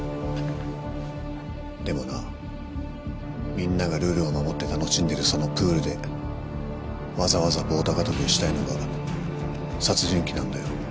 でもなみんながルールを守って楽しんでるそのプールでわざわざ棒高跳びをしたいのが殺人鬼なんだよ。